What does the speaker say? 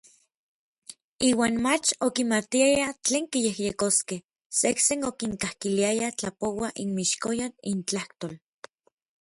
Iuan mach okimatiaya tlen kiyejyekoskej, sejsen okinkakiliayaj tlapouaj inmixkoyan intlajtol.